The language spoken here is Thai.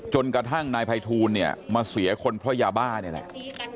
จนกระทั่งนายภัยทูลเนี่ยมาเสียคนเพราะยาบ้านี่แหละ